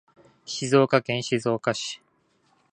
静岡県静岡市